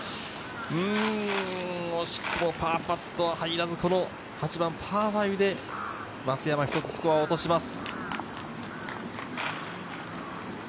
惜しくもパーパットは入らず、８番パー５で松山、１つスコアを落とします。